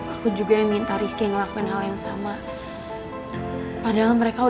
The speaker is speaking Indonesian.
aku juga minta rizky ngelakuin hal yang sama padahal mereka udah